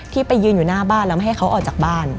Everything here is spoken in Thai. ไปยืนอยู่หน้าบ้านแล้วไม่ให้เขาออกจากบ้าน